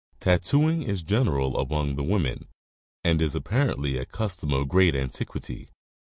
Tattoomg is general among the women, and is apparently a custom of great antiquity.